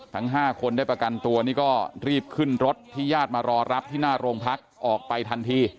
ทั้ง๕คนได้ประกันตัวนี่ก็รีบขึ้นรถที่ญาติมารอรับที่หน้าโรงพักออกไปทันที